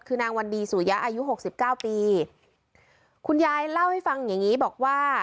คือนางวันดีสุยะอายุหกสิบเก้าปีคุณยายเล่าให้ฟังอย่างงี้บอกว่า